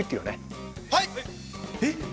はい！